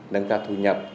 nâng cao thu nhập